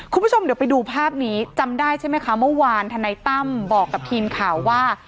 คุณผู้ชมเดี๋ยวไปดูภาพนี้จำได้ใช่ไหมคะเมื่อวานธนายตั้มบอกกับทีมข่าวว่า